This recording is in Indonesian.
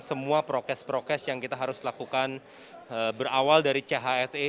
semua prokes prokes yang kita harus lakukan berawal dari chse